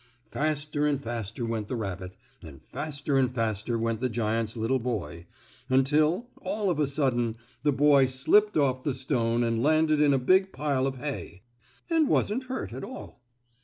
Faster and faster went the rabbit, and faster and faster went the giant's little boy, until, all of a sudden, the boy slipped off the stone and landed in a big pile of hay, and wasn't hurt at all.